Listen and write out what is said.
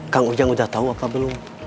kang ujang udah tahu apa belum